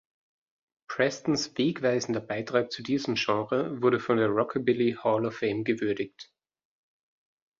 Prestons wegweisender Beitrag zu diesem Genre wurde von der Rockabilly Hall of Fame gewürdigt.